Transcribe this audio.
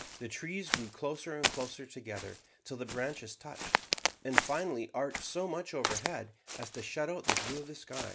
The trees grew closer and closer together till the branches touched, and finally arched so much overhead as to shut out the view of the sky.